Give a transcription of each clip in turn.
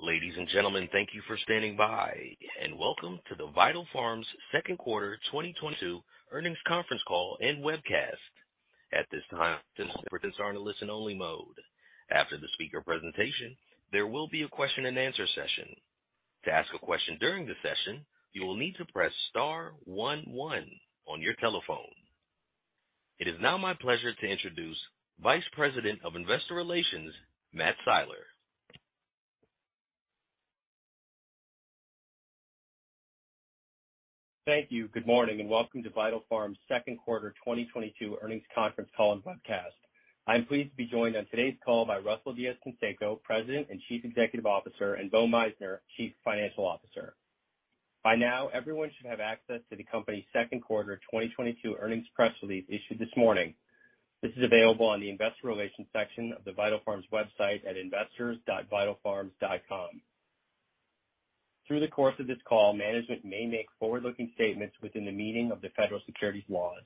Ladies and gentlemen, thank you for standing by, and welcome to the Vital Farms second quarter 2022 earnings conference call and webcast. At this time, participants are in a listen-only mode. After the speaker's presentation, there will be a question-and-answer session. To ask a question during the session, you will need to press star one one on your telephone. It is now my pleasure to introduce the Vice President of Investor Relations, Matt Siler. Thank you. Good morning, and welcome to Vital Farms' second quarter 2022 earnings conference call and webcast. I'm pleased to be joined on today's call by Russell Diez-Canseco, President and Chief Executive Officer, and Bo Meissner, Chief Financial Officer. By now, everyone should have access to the company's second-quarter 2022 earnings press release issued this morning. This is available on the investor relations section of the Vital Farms website at investors.vitalfarms.com. Through the course of this call, management may make forward-looking statements within the meaning of the federal securities laws.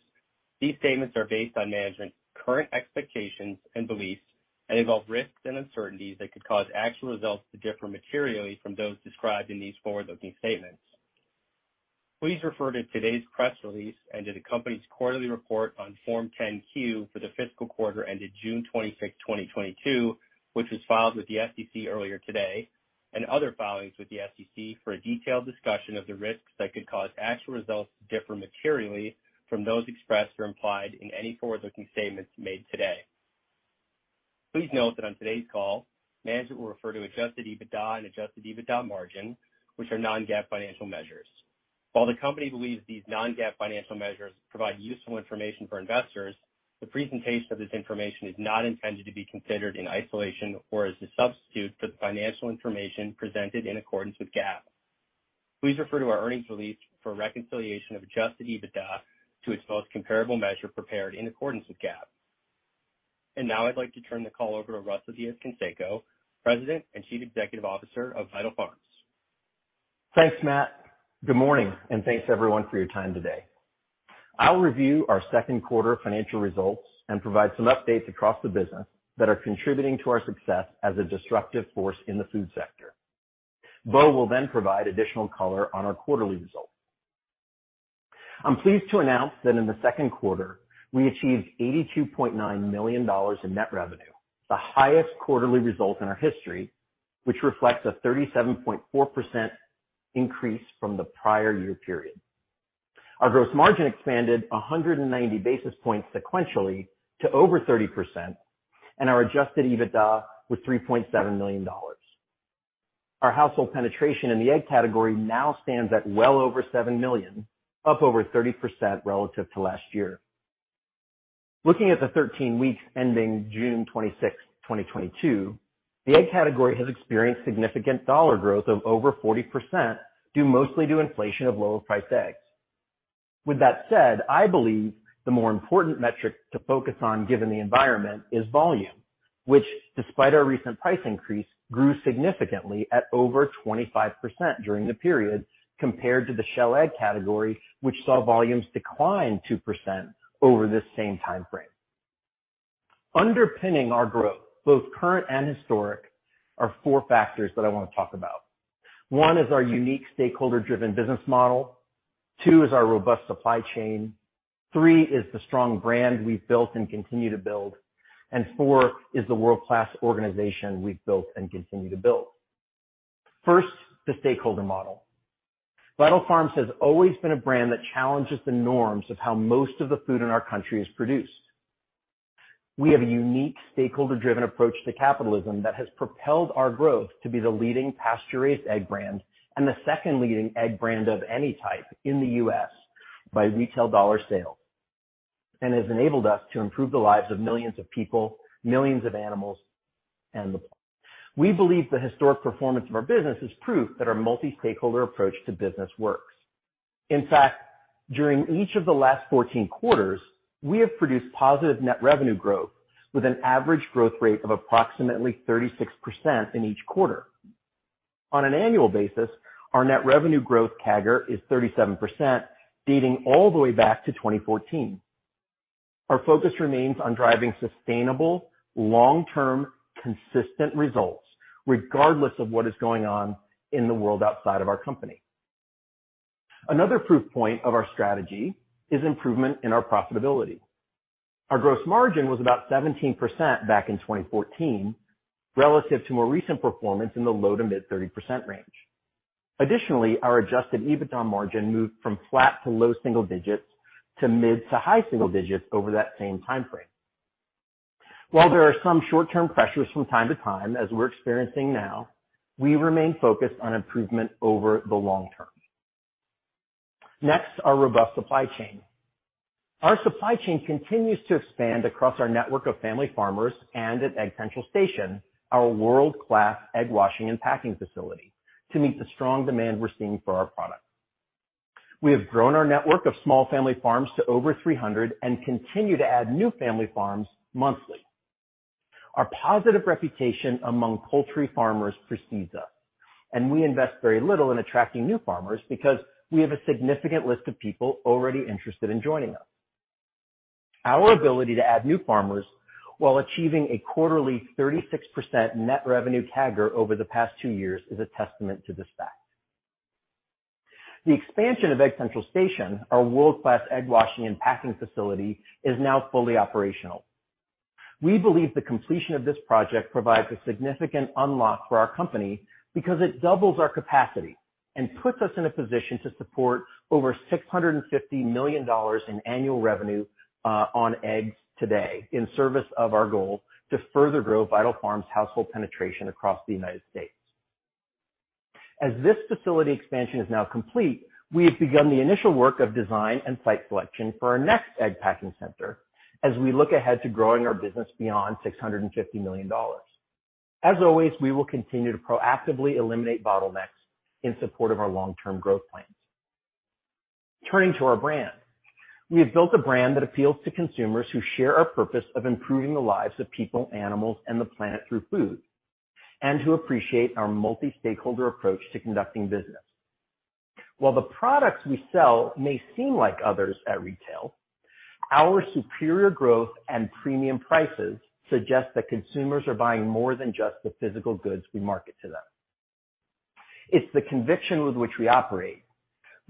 These statements are based on management's current expectations and beliefs and involve risks and uncertainties that could cause actual results to differ materially from those described in these forward-looking statements. Please refer to today's press release and to the company's quarterly report on Form 10-Q for the fiscal quarter ended June 26, 2022, which was filed with the SEC earlier today, and other filings with the SEC for a detailed discussion of the risks that could cause actual results to differ materially from those expressed or implied in any forward-looking statements made today. Please note that on today's call, management will refer to Adjusted EBITDA and Adjusted EBITDA margin, which are non-GAAP financial measures. While the company believes these non-GAAP financial measures provide useful information for investors, the presentation of this information is not intended to be considered in isolation or as a substitute for the financial information presented in accordance with GAAP. Please refer to our earnings release for a reconciliation of Adjusted EBITDA to its most comparable measure prepared in accordance with GAAP. Now I'd like to turn the call over to Russell Diez-Canseco, President and Chief Executive Officer of Vital Farms. Thanks, Matt. Good morning, and thanks to everyone for your time today. I'll review our second-quarter financial results and provide some updates across the business that are contributing to our success as a disruptive force in the food sector. Bo will then provide additional color on our quarterly results. I'm pleased to announce that in the second quarter, we achieved $82.9 million in net revenue, the highest quarterly result in our history, which reflects a 37.4% increase from the prior year period. Our gross margin expanded 190 basis points sequentially to over 30%, and our Adjusted EBITDA was $3.7 million. Our household penetration in the egg category now stands at well over 7 million, up over 30% relative to last year. Looking at the 13 weeks ending June 26, 2022, the egg category has experienced significant dollar growth of over 40%, due mostly to inflation of lower-priced eggs. With that said, I believe the more important metric to focus on, given the environment, is volume, which despite our recent price increase, grew significantly at over 25% during the period compared to the shell egg category, which saw volumes decline 2% over this same timeframe. Underpinning our growth, both current and historic, are four factors that I wanna talk about. One is our unique stakeholder-driven business model. Two is our robust supply chain. Three is the strong brand we've built and continue to build. Four is the world-class organization we've built and continue to build. First, the stakeholder model. Vital Farms has always been a brand that challenges the norms of how most of the food in our country is produced. We have a unique stakeholder-driven approach to capitalism that has propelled our growth to be the leading pasture-raised egg brand and the second leading egg brand of any type in the U.S. by retail dollar sales, and has enabled us to improve the lives of millions of people and millions of animals. We believe the historic performance of our business is proof that our multi-stakeholder approach to business works. In fact, during each of the last 14 quarters, we have produced positive net revenue growth with an average growth rate of approximately 36% in each quarter. On an annual basis, our net revenue growth CAGR is 37%, dating all the way back to 2014. Our focus remains on driving sustainable, long-term, consistent results regardless of what is going on in the world outside of our company. Another proof point of our strategy is the improvement in our profitability. Our gross margin was about 17% back in 2014, relative to more recent performance in the low- to mid-30% range. Additionally, our Adjusted EBITDA margin moved from flat to low single digits to mid- to high single digits over that same timeframe. While there are some short-term pressures from time to time, as we're experiencing now, we remain focused on improvement over the long term. Next, our robust supply chain. Our supply chain continues to expand across our network of family farmers, and at Egg Central Station, our world-class egg washing and packing facility, to meet the strong demand we're seeing for our product. We have grown our network of small family farms to over 300 and continue to add new family farms monthly. Our positive reputation among poultry farmers precedes us, and we invest very little in attracting new farmers because we have a significant list of people already interested in joining us. Our ability to add new farmers while achieving a quarterly 36% net revenue CAGR over the past two years is a testament to this fact. The expansion of Egg Central Station, our world-class egg washing and packing facility, is now fully operational. We believe the completion of this project provides a significant unlock for our company because it doubles our capacity and puts us in a position to support over $650 million in annual revenue on eggs today in service of our goal to further grow Vital Farms' household penetration across the United States. As this facility expansion is now complete, we have begun the initial work of design and site selection for our next egg packing center as we look ahead to growing our business beyond $650 million. As always, we will continue to proactively eliminate bottlenecks in support of our long-term growth plans. Turning to our brand. We have built a brand that appeals to consumers who share our purpose of improving the lives of people, animals, and the planet through food, and who appreciate our multi-stakeholder approach to conducting business. While the products we sell may seem like others at retail, our superior growth and premium prices suggest that consumers are buying more than just the physical goods we market to them. It's the conviction with which we operate,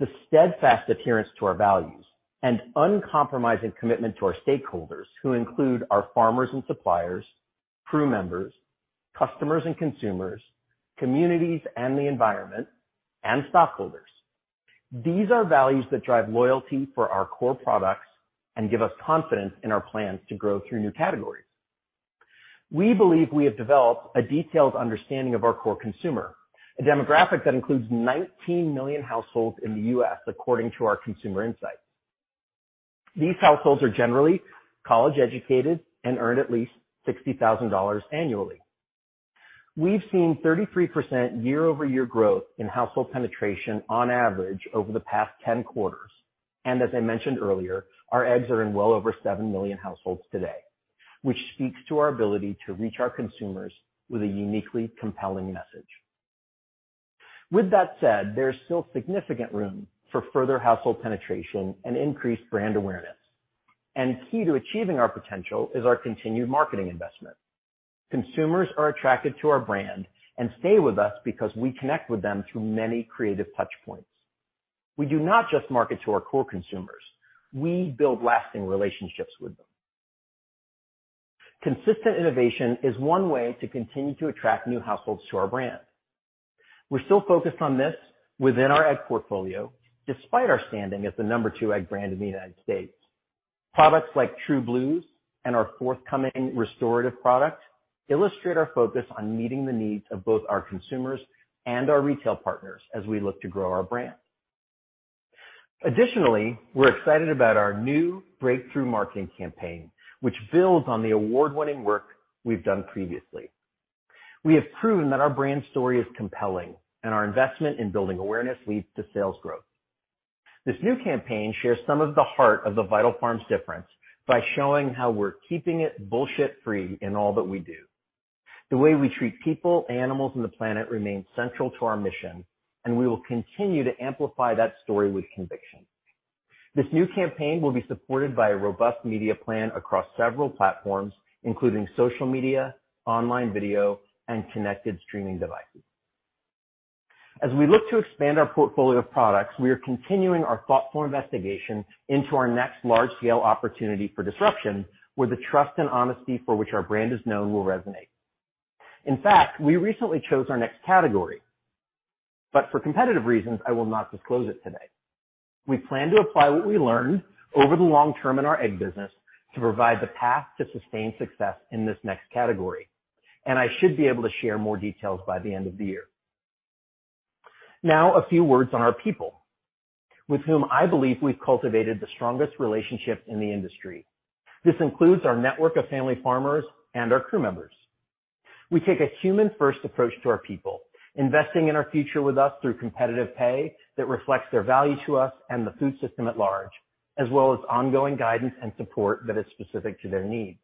the steadfast adherence to our values, and uncompromising commitment to our stakeholders, who include our farmers and suppliers, crew members, customers and consumers, communities and the environment, and stockholders. These are values that drive loyalty for our core products and give us confidence in our plans to grow through new categories. We believe we have developed a detailed understanding of our core consumer, a demographic that includes 19 million households in the U.S., according to our consumer insights. These households are generally college-educated and earn at least $60,000 annually. We've seen 33% year-over-year growth in household penetration on average over the past 10 quarters. As I mentioned earlier, our eggs are in well over 7 million households today, which speaks to our ability to reach our consumers with a uniquely compelling message. With that said, there's still significant room for further household penetration and increased brand awareness. The key to achieving our potential is our continued marketing investment. Consumers are attracted to our brand and stay with us because we connect with them through many creative touchpoints. We do not just market to our core consumers; we build lasting relationships with them. Consistent innovation is one way to continue to attract new households to our brand. We're still focused on this within our egg portfolio, despite our standing as the number two egg brand in the United States. Products like True Blues and our forthcoming restorative product illustrate our focus on meeting the needs of both our consumers and our retail partners as we look to grow our brand. Additionally, we're excited about our new breakthrough marketing campaign, which builds on the award-winning work we've done previously. We have proven that our brand story is compelling, and our investment in building awareness leads to sales growth. This new campaign shares some of the heart of the Vital Farms difference by showing how we're keeping it bullshit-free in all that we do. The way we treat people, animals, and the planet remains central to our mission, and we will continue to amplify that story with conviction. This new campaign will be supported by a robust media plan across several platforms, including social media, online video, and connected streaming devices. As we look to expand our portfolio of products, we are continuing our thoughtful investigation into our next large-scale opportunity for disruption, where the trust and honesty for which our brand is known will resonate. In fact, we recently chose our next category. For competitive reasons, I will not disclose it today. We plan to apply what we learned over the long term in our egg business to provide the path to sustained success in this next category, and I should be able to share more details by the end of the year. Now, a few words on our people, with whom I believe we've cultivated the strongest relationships in the industry. This includes our network of family farmers and our crew members. We take a human-first approach to our people, investing in our future with us through competitive pay that reflects their value to us and the food system at large, as well as ongoing guidance and support that is specific to their needs.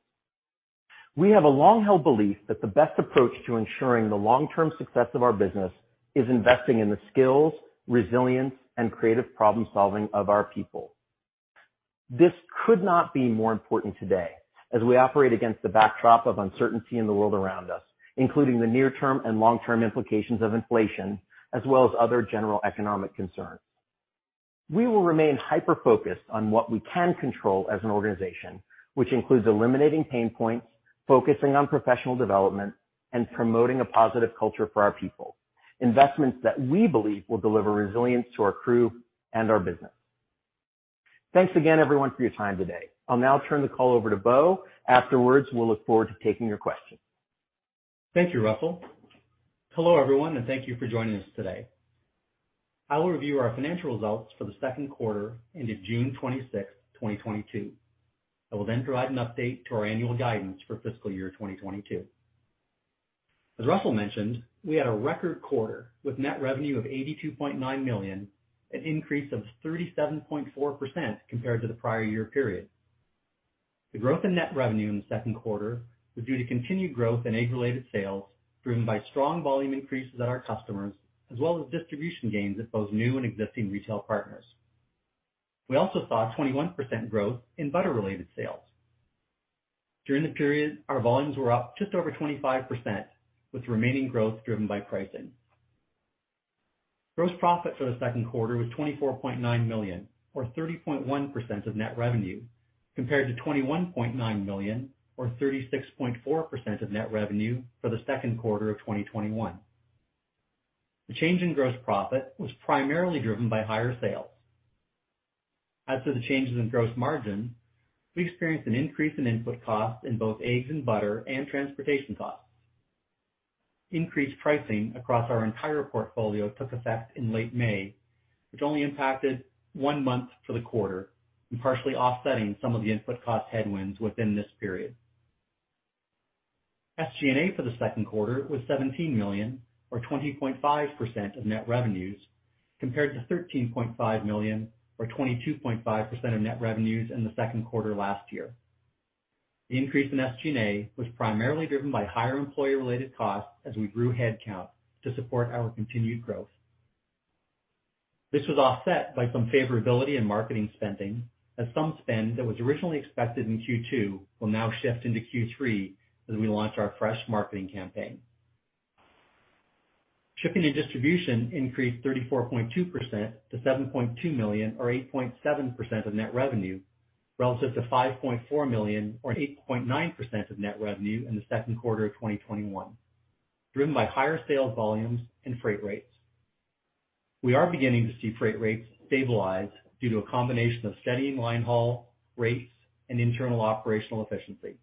We have a long-held belief that the best approach to ensuring the long-term success of our business is investing in the skills, resilience, and creative problem-solving of our people. This could not be more important today as we operate against the backdrop of uncertainty in the world around us, including the near-term and long-term implications of inflation, as well as other general economic concerns. We will remain hyper-focused on what we can control as an organization, which includes eliminating pain points, focusing on professional development, and promoting a positive culture for our people, investments that we believe will deliver resilience to our crew and our business. Thanks again, everyone, for your time today. I'll now turn the call over to Bo. Afterwards, we'll look forward to taking your questions. Thank you, Russell. Hello, everyone, and thank you for joining us today. I will review our financial results for the second quarter ended June 26, 2022. I will then provide an update to our annual guidance for fiscal year 2022. As Russell mentioned, we had a record quarter, with net revenue of $82.9 million, an increase of 37.4% compared to the prior year period. The growth in net revenue in the second quarter was due to continued growth in egg-related sales, driven by strong volume increases at our customers, as well as distribution gains at both new and existing retail partners. We also saw a 21% growth in butter-related sales. During the period, our volumes were up just over 25%, with remaining growth driven by pricing. Gross profit for the second quarter was $24.9 million, or 30.1% of net revenue, compared to $21.9 million, or 36.4% of net revenue, for the second quarter of 2021. The change in gross profit was primarily driven by higher sales. As to the changes in gross margin, we experienced an increase in input costs in both eggs and butter, and transportation costs. Increased pricing across our entire portfolio took effect in late May, which only impacted one month for the quarter, and partially offset some of the input cost headwinds within this period. SG&A for the second quarter was $17 million or 20.5% of net revenues, compared to $13.5 million or 22.5% of net revenues in the second quarter last year. The increase in SG&A was primarily driven by higher employee-related costs as we grew headcount to support our continued growth. This was offset by some favorability in marketing spending, as some spending that was originally expected in Q2 will now shift into Q3 as we launch our fresh marketing campaign. Shipping and distribution increased 34.2% to $7.2 million or 8.7% of net revenue relative to $5.4 million or 8.9% of net revenue in the second quarter of 2021, driven by higher sales volumes and freight rates. We are beginning to see freight rates stabilize due to a combination of steady line haul rates and internal operational efficiency.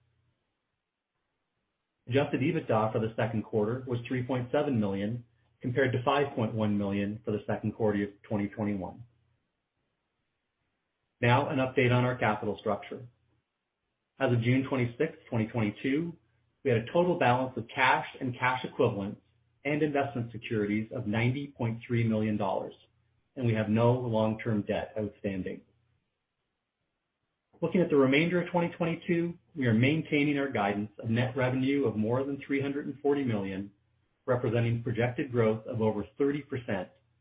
Adjusted EBITDA for the second quarter was $3.7 million, compared to $5.1 million for the second quarter of 2021. Now, an update on our capital structure. As of June 26, 2022, we had a total balance of cash and cash equivalents and investment securities of $90.3 million, and we have no long-term debt outstanding. Looking at the remainder of 2022, we are maintaining our guidance of net revenue of more than $340 million, representing projected growth of over 30%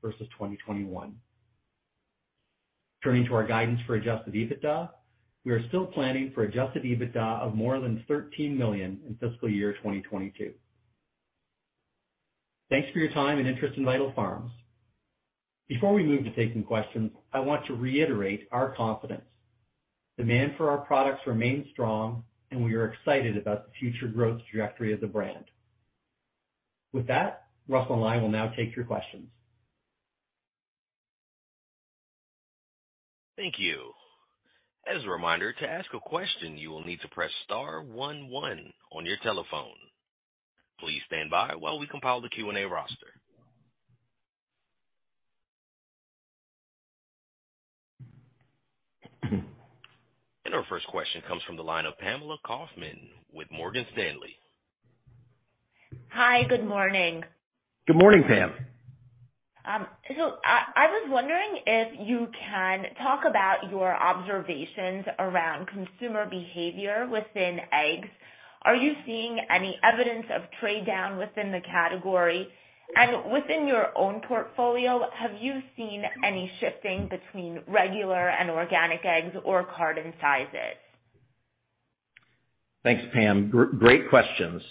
versus 2021. Turning to our guidance for Adjusted EBITDA, we are still planning for Adjusted EBITDA of more than $13 million in fiscal year 2022. Thanks for your time and interest in Vital Farms. Before we move to taking questions, I want to reiterate our confidence. Demand for our products remains strong, and we are excited about the future growth trajectory of the brand. With that, Russell and I will now take your questions. Thank you. As a reminder, to ask a question, you will need to press star one one on your telephone. Please stand by while we compile the Q&A roster. Our first question comes from the line of Pamela Kaufman with Morgan Stanley. Hi, good morning. Good morning, Pam. I was wondering if you can talk about your observations around consumer behavior within eggs. Are you seeing any evidence of trade down within the category? Within your own portfolio, have you seen any shifting between regular and organic eggs or carton sizes? Thanks, Pam. Great questions.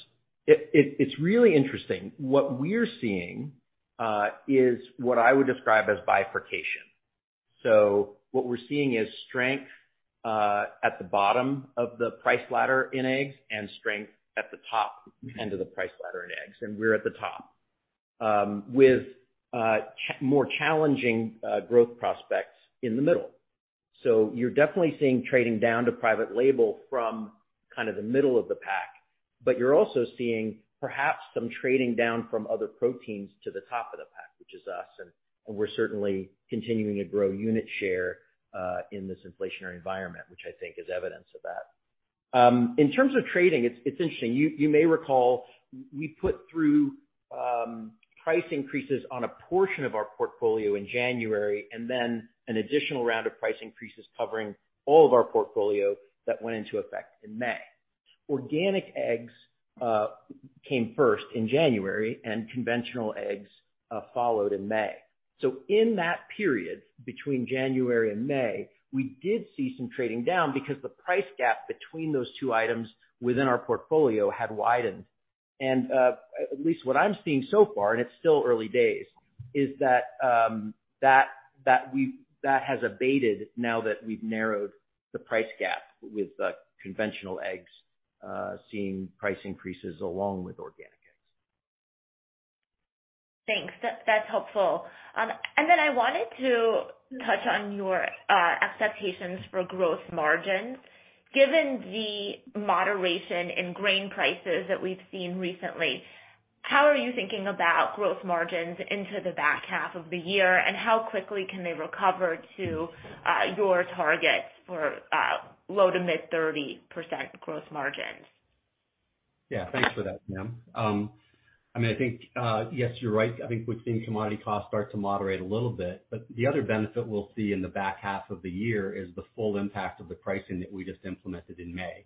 It's really interesting. What we're seeing is what I would describe as bifurcation. What we're seeing is strength at the bottom of the price ladder in eggs and strength at the top end of the price ladder in eggs, and we're at the top. With more challenging growth prospects in the middle. You're definitely seeing trading down to private label from kind of the middle of the pack, but you're also seeing perhaps some trading down from other proteins to the top of the pack, which is us. We're certainly continuing to grow unit share in this inflationary environment, which I think is evidence of that. In terms of trading, it's interesting. You may recall we put through price increases on a portion of our portfolio in January and then an additional round of price increases covering all of our portfolio that went into effect in May. Organic eggs came first in January, and conventional eggs followed in May. In that period between January and May, we did see some trading down because the price gap between those two items within our portfolio had widened. At least what I'm seeing so far, and it's still early days, is that that has abated now that we've narrowed the price gap with conventional eggs seeing price increases along with organic eggs. Thanks. That's helpful. I wanted to touch on your expectations for growth margins. Given the moderation in grain prices that we've seen recently, how are you thinking about growth margins into the back half of the year, and how quickly can they recover to your targets for low- to mid-30% growth margins? Yeah, thanks for that, Pam. I mean, I think, yes, you're right. I think we've seen commodity costs start to moderate a little bit, but the other benefit we'll see in the back half of the year is the full impact of the pricing that we just implemented in May.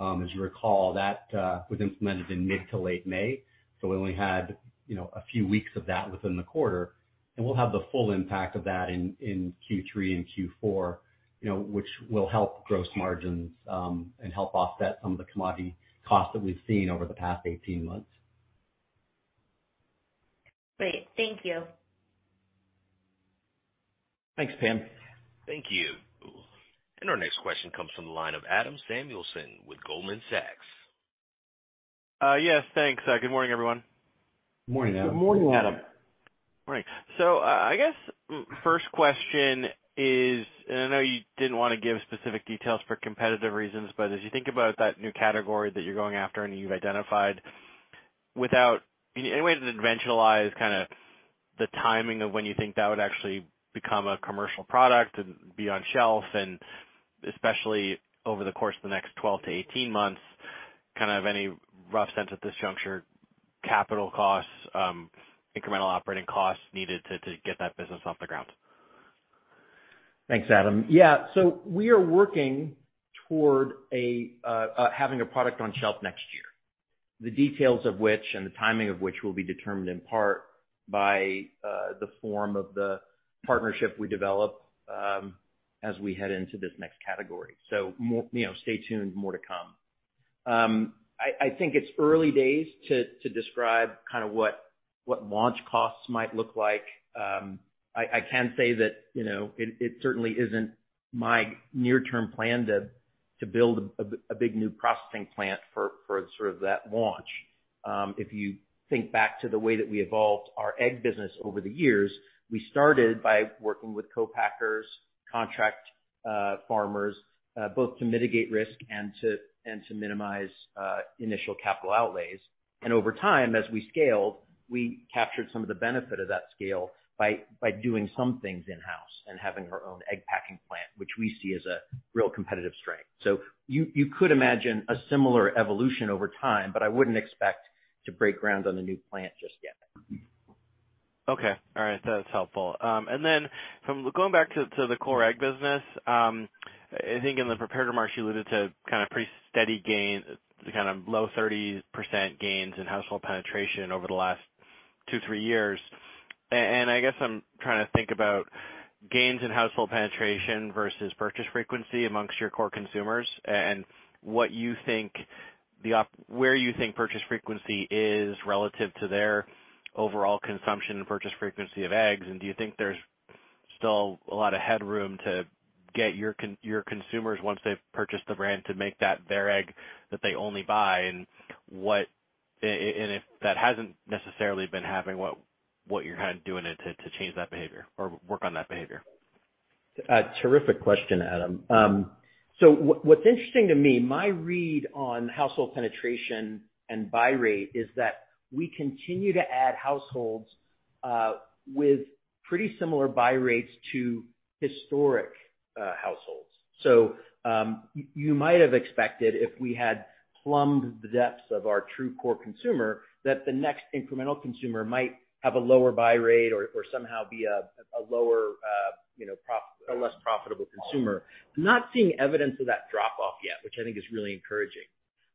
As you recall, that was implemented in mid to late May, so we only had, you know, a few weeks of that within the quarter. We'll have the full impact of that in Q3 and Q4, you know, which will help gross margins and help offset some of the commodity costs that we've seen over the past 18 months. Great. Thank you. Thanks, Pam. Thank you. Our next question comes from the line of Adam Samuelson with Goldman Sachs. Yes, thanks. Good morning, everyone. Morning, Adam. Good morning, Adam. Right. I guess first question is, and I know you didn't wanna give specific details for competitive reasons, but as you think about that new category that you're going after and you've identified, without any way to dimensionalize kind of the timing of when you think that would actually become a commercial product and be on shelf, and especially over the course of the next 12-18 months, kind of any rough sense at this juncture, capital costs, incremental operating costs needed to get that business off the ground? Thanks, Adam. Yeah. We are working toward having a product on the shelf next year, the details of which and the timing of which will be determined in part by the form of the partnership we develop as we head into this next category. More, you know, stay tuned. More to come. I think it's early days to describe kind of what launch costs might look like. I can say that, you know, it certainly isn't my near-term plan to build a big new processing plant for sort of that launch. If you think back to the way that we evolved our egg business over the years, we started by working with co-packers and contract farmers, both to mitigate risk and to minimize initial capital outlays. Over time, as we scaled, we captured some of the benefits of that scale by doing some things in-house and having our own egg packing plant, which we see as a real competitive strength. You could imagine a similar evolution over time, but I wouldn't expect to break ground on the new plant just yet. Okay. All right. That's helpful. Going back to the core egg business, I think in the prepared remarks, you alluded to kind of pretty steady gain, kind of low 30% gains in household penetration over the last two, three years. I guess I'm trying to think about gains in household penetration versus purchase frequency amongst your core consumers, and what you think where you think purchase frequency is relative to their overall consumption and purchase frequency of eggs. Do you think there's still a lot of headroom to get your consumers, once they've purchased the brand, to make that their egg that they only buy? If that hasn't necessarily been happening, what are you're kind of doing to change that behavior or work on that behavior? Terrific question, Adam. What's interesting to me, my read on household penetration and buy rate is that we continue to add households with pretty similar buy rates to historic households. You might have expected, if we had plumbed the depths of our true core consumer, that the next incremental consumer might have a lower buy rate or somehow be a lower, you know, a less profitable consumer. I'm not seeing evidence of that drop-off yet, which I think is really encouraging.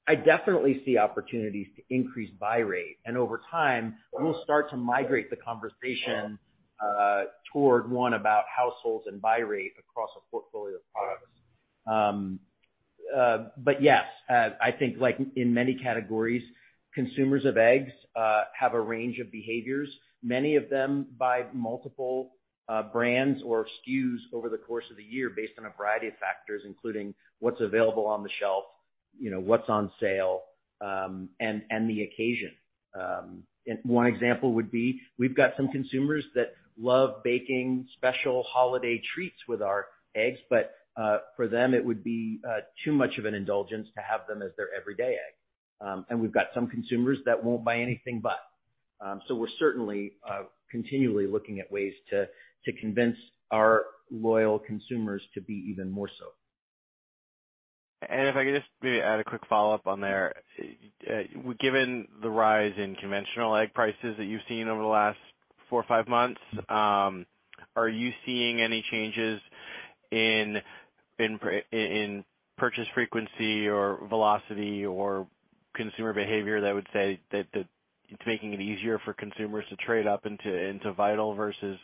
I definitely see opportunities to increase buy rate, and over time, we'll start to migrate the conversation toward one about households and buy rate across a portfolio of products. I think, like in many categories, consumers of eggs have a range of behaviors. Many of them buy multiple brands or SKUs over the course of the year based on a variety of factors, including what's available on the shelf, you know, what's on sale, and the occasion. One example would be, we've got some consumers that love baking special holiday treats with our eggs, but for them, it would be too much of an indulgence to have them as their everyday egg. We've got some consumers who won't buy anything but. We're certainly continually looking at ways to convince our loyal consumers to be even more so. If I could just maybe add a quick follow-up on there. Given the rise in conventional egg prices that you've seen over the last four or five months, are you seeing any changes in purchase frequency or velocity or consumer behavior that would say that it's making it easier for consumers to trade up into Vital versus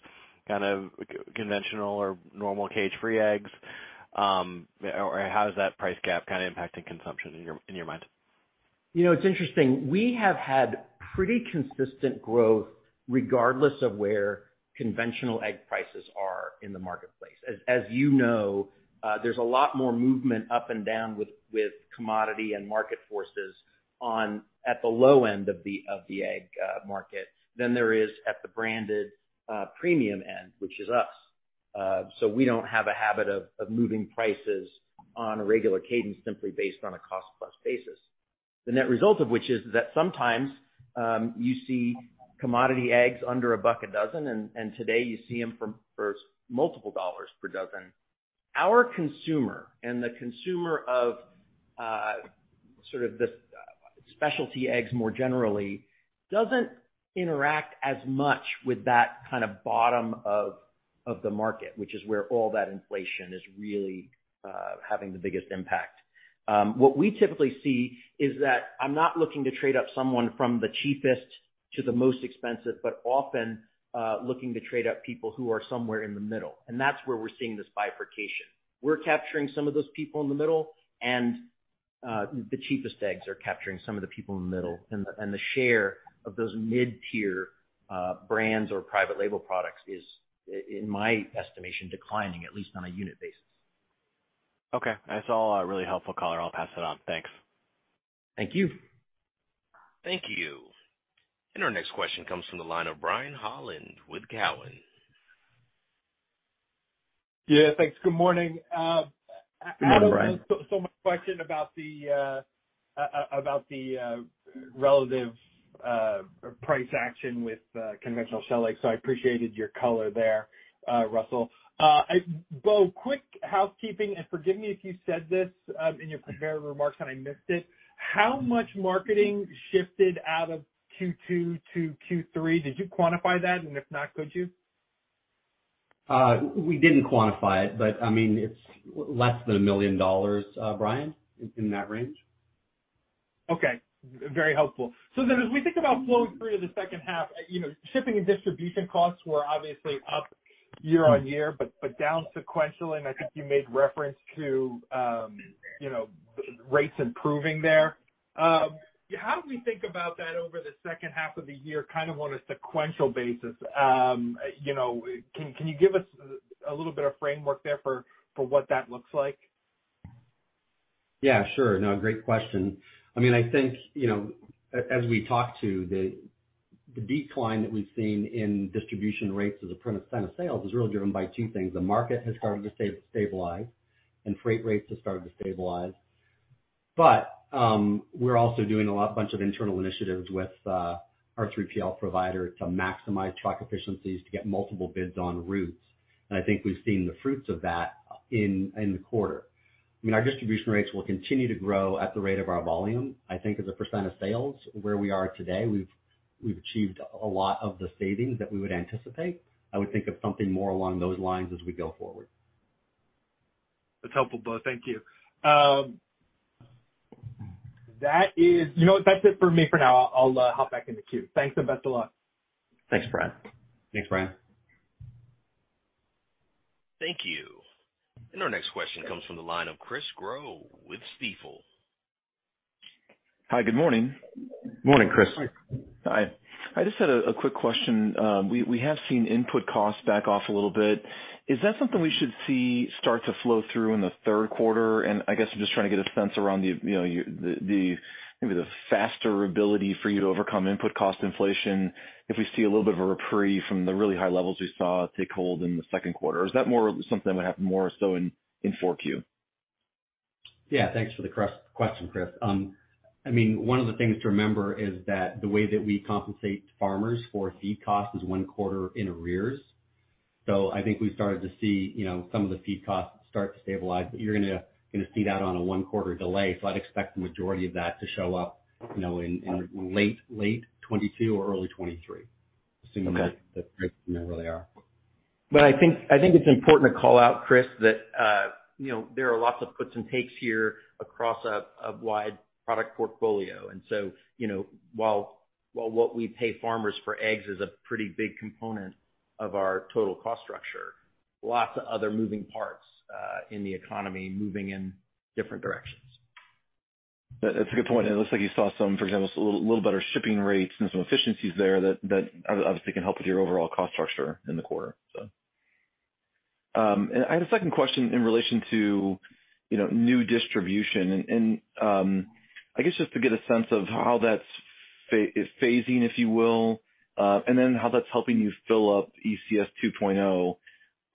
kind of conventional or normal cage-free eggs? How is that price gap kind of impacting consumption in your mind? You know, it's interesting. We have had pretty consistent growth regardless of where conventional egg prices are in the marketplace. As you know, there's a lot more movement up and down with commodity and market forces on at the low end of the egg market than there is at the branded premium end, which is us. So we don't have a habit of moving prices on a regular cadence simply based on a cost-plus basis. The net result of this is that sometimes you see commodity eggs under a bucket dozen, and today you see them for multiple dollars per dozen. Our consumer and the consumer of, sort of this, specialty eggs more generally, doesn't interact as much with that kind of bottom of the market, which is where all that inflation is really having the biggest impact. What we typically see is that I'm not looking to trade up someone from the cheapest to the most expensive, but often, looking to trade up people who are somewhere in the middle, and that's where we're seeing this bifurcation. We're capturing some of those people in the middle, and, the cheapest eggs are capturing some of the people in the middle. The share of those mid-tier, brands or private label products is, in my estimation, declining, at least on a unit basis. Okay. That's all, a really helpful color. I'll pass it on. Thanks. Thank you. Thank you. Our next question comes from the line of Brian Holland with Cowen. Yeah, thanks. Good morning. Good morning, Brian. Adam, my question about the relative price action with conventional shell eggs. I appreciated your color there, Russell. Bo, quick housekeeping, and forgive me if you said this in your prepared remarks and I missed it. How much marketing shifted out of Q2 to Q3? Did you quantify that? If not, could you? We didn't quantify it, but I mean, it's less than $1 million, Brian, in that range. Okay. Very helpful. As we think about flow through to the second half, you know, shipping and distribution costs were obviously up year-over-year, but down sequentially, and I think you made reference to, you know, rates improving there. How do we think about that over the second half of the year, kind of on a sequential basis? You know, can you give us a little bit of framework there for what that looks like? Yeah, sure. No, great question. I mean, I think, you know, as we talked to the decline that we've seen in distribution rates as a percent of sales is really driven by two things. The market has started to stabilize, and freight rates have started to stabilize. We're also doing a bunch of internal initiatives with our 3PL provider to maximize truck efficiencies to get multiple bids on routes. I think we've seen the fruits of that in the quarter. I mean, our distribution rates will continue to grow at the rate of our volume. I think, as a percentage of sales where we are today, we've achieved a lot of the savings that we would anticipate. I would think of something more along those lines as we go forward. That's helpful, Bo. Thank you. You know what? That's it for me for now. I'll hop back in the queue. Thanks. Best of luck. Thanks, Brian. Thanks, Brian. Thank you. Our next question comes from the line of Chris Growe with Stifel. Hi, good morning. Morning, Chris. Hi. I just had a quick question. We have seen input costs back off a little bit. Is that something we should see start to flow through in the third quarter? I guess I'm just trying to get a sense around the, you know, the maybe the faster ability for you to overcome input cost inflation if we see a little bit of a reprieve from the really high levels we saw take hold in the second quarter. Is that more something that would happen more so in 4Q? Yeah. Thanks for the question, Chris. I mean, one of the things to remember is that the way that we compensate farmers for feed costs is one quarter in arrears. I think we started to see, you know, some of the feed costs start to stabilize, but you're gonna see that on a one-quarter delay. I'd expect the majority of that to show up, you know, in late 2022 or early 2023, assuming that the rates remain where they are. I think it's important to call out, Chris, that you know, there are lots of puts and takes here across a wide product portfolio. You know, while what we pay farmers for eggs is a pretty big component of our total cost structure, lots of other moving parts in the economy are moving in different directions. That's a good point. It looks like you saw some, for example, so a little better shipping rates and some efficiencies there that obviously can help with your overall cost structure in the quarter, so. I had a second question in relation to, you know, new distribution and I guess just to get a sense of how that's phasing, if you will, and then how that's helping you fill up ECS 2.0.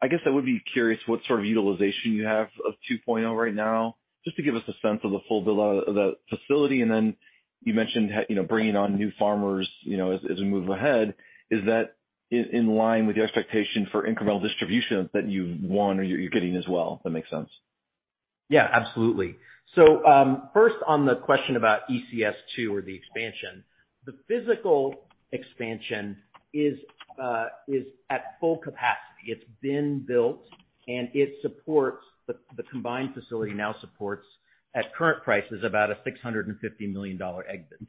I guess I would be curious what sort of utilization you have of 2.0 right now, just to give us a sense of the full utilization of the facility, and then you mentioned how, you know, bringing on new farmers, you know, as we move ahead, is that in line with the expectation for incremental distribution that you've won or you're getting as well, if that makes sense. Yeah, absolutely. First, on the question about ECS2 or the expansion, the physical expansion is at full capacity. It's been built, and the combined facility now supports, at current prices, about a $650 million egg business.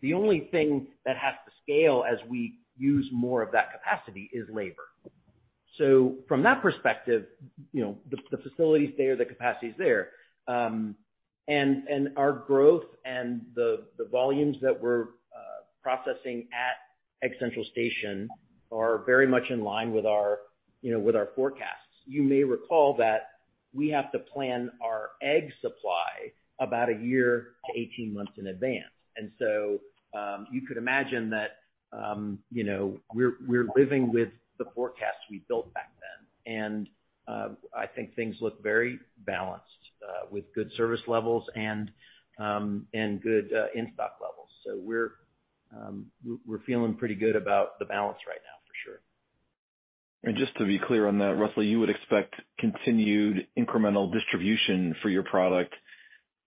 The only thing that has to scale as we use more of that capacity is labor. From that perspective, you know, the facility is there, the capacity is there. Our growth and the volumes that we're processing at Egg Central Station are very much in line with our forecasts, you know. You may recall that we have to plan our egg supply about a year to 18 months in advance. You could imagine that, you know, we're living with the forecast we built back then. I think things look very balanced with good service levels and good in-stock levels. We're feeling pretty good about the balance right now, for sure. Just to be clear on that, Russell, you would expect continued incremental distribution for your product.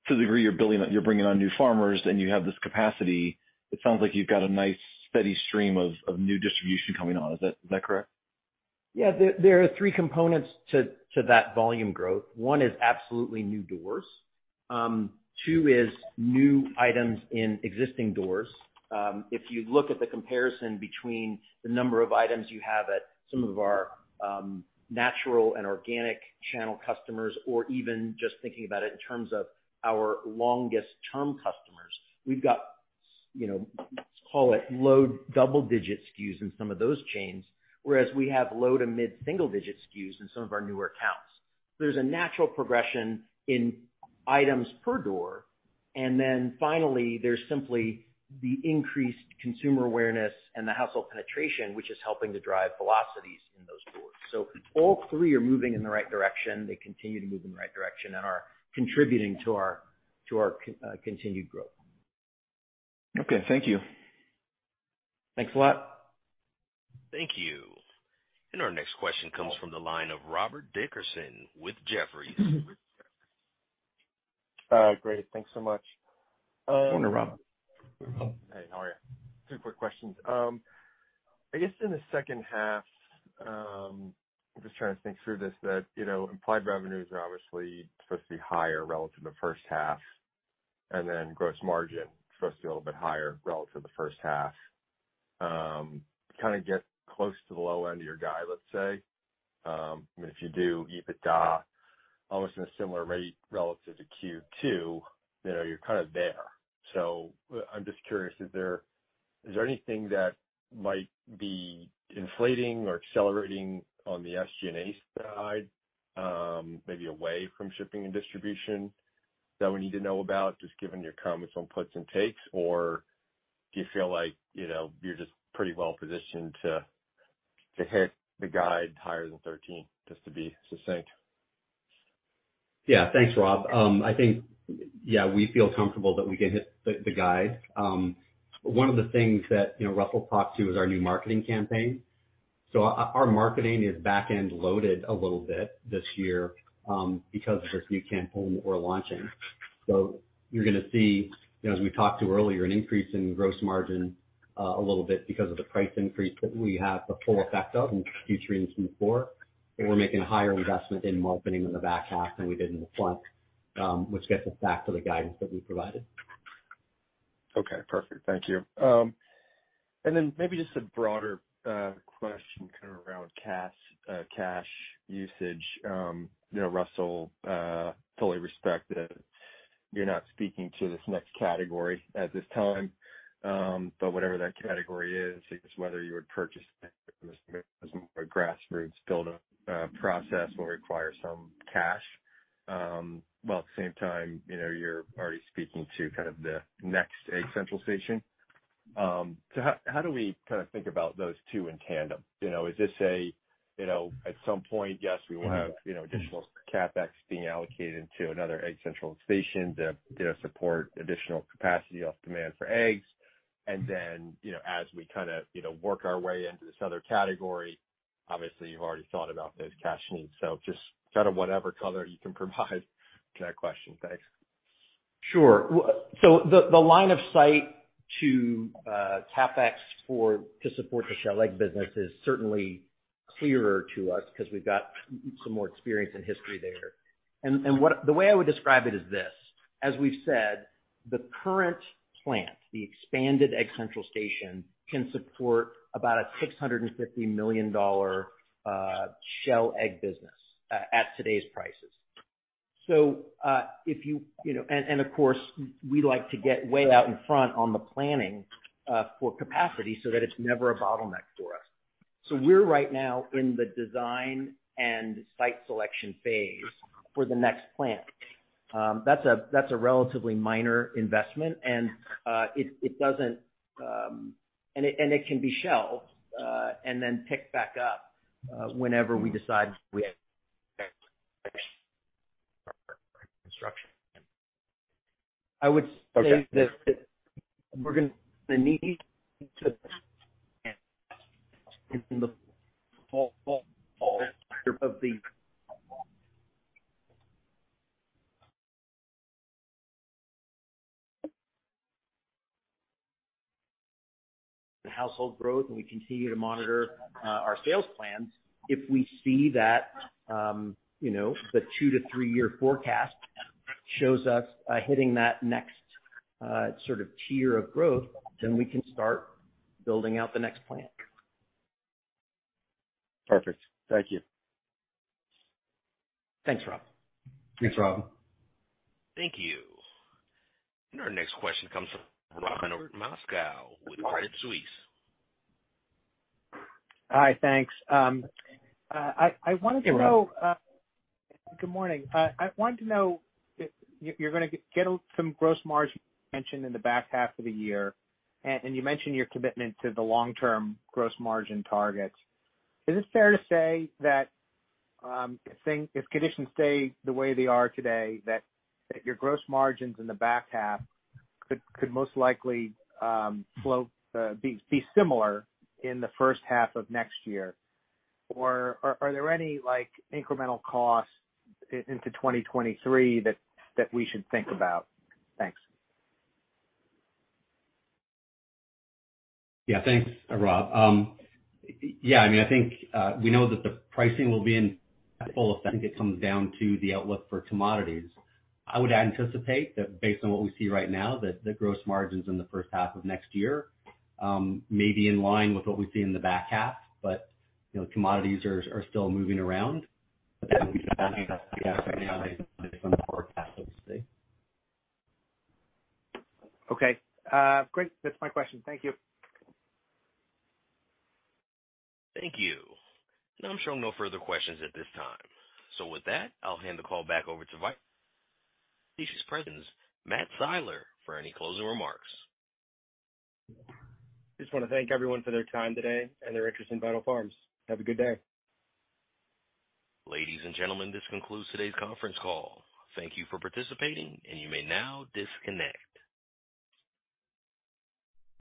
You're bringing on new farmers, and you have this capacity; it sounds like you've got a nice steady stream of new distribution coming on. Is that correct? Yeah. There are three components to that volume growth. One is absolutely new doors. Two new items in the existing doors. If you look at the comparison between the number of items you have at some of our natural and organic channel customers or even just thinking about it in terms of our longest term customers, we've got, you know, let's call it low double-digit SKUs in some of those chains, whereas we have low to mid-single-digit SKUs in some of our newer accounts. There's a natural progression in items per door. Then, finally, there's simply the increased consumer awareness and the household penetration, which is helping to drive velocities in those doors. All three are moving in the right direction. They continue to move in the right direction and are contributing to our continued growth. Okay, thank you. Thanks a lot. Thank you. Our next question comes from the line of Rob Dickerson with Jefferies. Great. Thanks so much. Morning, Rob. Hey, how are you? Two quick questions. I guess in the second half, I'm just trying to think through this, that, you know, implied revenues are obviously supposed to be higher relative to first half, and then gross margin is supposed to be a little bit higher relative to the first half. Kind of get close to the low end of your guide, let's say. I mean, if you do EBITDA almost in a similar rate relative to Q2, you know, you're kind of there. I'm just curious, is there anything that might be inflating or accelerating on the SG&A side, maybe away from shipping and distribution that we need to know about, just given your comments on puts and takes? Do you feel like, you know, you're just pretty well positioned to hit the guide higher than 13, just to be succinct? Yeah. Thanks, Rob. I think, yeah, we feel comfortable that we can hit the guide. One of the things that, you know, Russell talked to is our new marketing campaign. Our marketing is back-end loaded a little bit this year, because of this new campaign that we're launching. You're gonna see, you know, as we talked to earlier, an increase in gross margin, a little bit because of the price increase that we have the full effect of in Q3 and Q4, but we're making a higher investment in marketing in the back half than we did in the front, which gets us back to the guidance that we provided. Okay. Perfect. Thank you. Maybe just a broader question kind of around cash usage. You know, Russell, I fully respect that you're not speaking to this next category at this time. Whatever that category is whether you would purchase a grassroots build-up process will require some cash. While at the same time, you know, you're already speaking to kind of the next Egg Central Station. How do we kind of think about those two in tandem? You know, is this a, you know, at some point, yes, we will have, you know, additional CapEx being allocated to another Egg Central Station to, you know, support additional capacity of demand for eggs. You know, as we kind of, you know, work our way into this other category, obviously, you've already thought about those cash needs. Just kind of whatever color you can provide to that question. Thanks. Sure. The line of sight to CapEx to support the shell egg business is certainly clearer to us because we've got some more experience and history there. What the way I would describe it as is this: as we've said, the current plant, the expanded Egg Central Station, can support about a $650 million shell egg business at today's prices. If you know. Of course, we like to get way out in front on the planning for capacity so that it's never a bottleneck for us. We're right now in the design and site selection phase for the next plant. That's a relatively minor investment, and it doesn't. It can be shelved and then picked back up whenever we decide to have construction. I would say that we're gonna need to tie to the household growth, and we continue to monitor our sales plans. If we see that, you know, the two-to-three-year forecast shows us hitting that next sort of tier of growth, then we can start building out the next plant. Perfect. Thank you. Thanks, Rob. Thanks, Rob. Thank you. Our next question comes from Robert Moskow with TD Cowen. Hi, thanks. I wanted to know, Hey, Rob. Good morning. I wanted to know if you're gonna get some gross margin mentioned in the back half of the year, and you mentioned your commitment to the long-term gross margin targets. Is it fair to say that if conditions stay the way they are today, your gross margins in the back half could most likely be similar in the first half of next year? Or are there any, like, incremental costs into 2023 that we should think about? Thanks. Yeah. Thanks, Rob. Yeah, I mean, I think we know that the pricing will be in full effect. It comes down to the outlook for commodities. I would anticipate that, based on what we see right now, the gross margins in the first half of next year may be in line with what we see in the back half. You know, commodities are still moving around. The forecast, obviously. Okay. Great. That's my question. Thank you. Thank you. I'm showing no further questions at this time. With that, I'll hand the call back over to Vice President Matt Siler for any closing remarks. Just wanna thank everyone for their time today and their interest in Vital Farms. Have a good day. Ladies and gentlemen, this concludes today's conference call. Thank you for participating, and you may now disconnect.